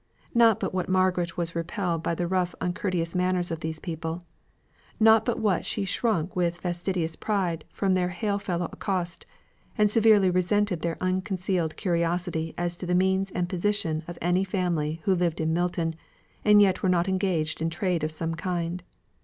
Not but what Margaret was repelled by the rough uncourteous manners of these people; not but what she shrunk with fastidious pride from their hail fellow accost, and severely resented their unconcealed curiosity as to the means and position of any family who lived in Milton, and yet were not engaged in trade of some kind.